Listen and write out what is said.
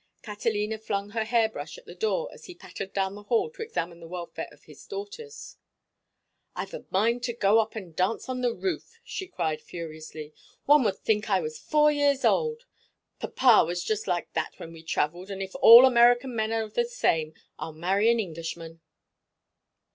Catalina flung her hair brush at the door as he pattered down the hall to examine the welfare of his daughters. "I've a mind to go up and dance on the roof," she cried, furiously. "One would think I was four years old. Papa was just like that when we travelled, and if all American men are the same I'll marry an Englishman."